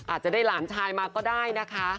อาจจะได้หลานชายมาก็ได้นะคะ